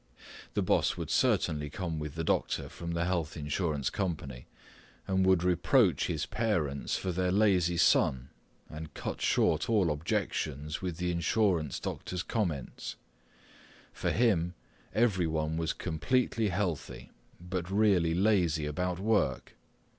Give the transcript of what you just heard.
The boss would certainly come with the doctor from the health insurance company and would reproach his parents for their lazy son and cut short all objections with the insurance doctor's comments; for him everyone was completely healthy but really lazy about work.